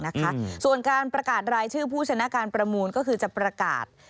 นะคะส่วนการประกาศรายชื่อผู้ชนะการประมูลก็คือจะประกาศ